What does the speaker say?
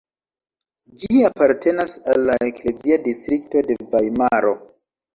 Ĝi apartenas al la eklezia distrikto de Vajmaro.